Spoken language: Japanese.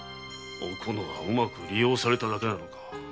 おこのはうまく利用されただけなのか。